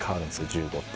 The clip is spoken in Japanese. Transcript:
１５って。